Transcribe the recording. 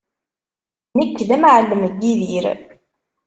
Nekk d amɛellem n Yidir.